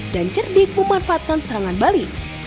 dan cerdik memanfaatkan serangan balik